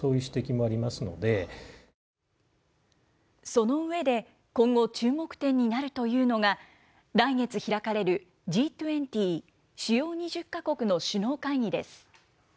その上で、今後注目点になるというのが、来月開かれるＧ２０・主要２０か国の首脳会議です。